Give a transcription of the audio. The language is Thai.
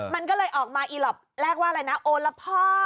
มันก็เลยออกมาอีหล็อปแรกว่าอะไรนะโอละพ่อ